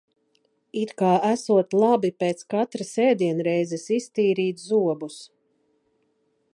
It kā esot labi pēc katras ēdienreizes iztīrīt zobus.